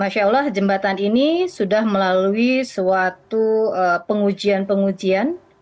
masya allah jembatan ini sudah melalui suatu pengujian pengujian